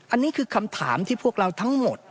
อันนี้คือคำถามที่พวกเราทั้งหมด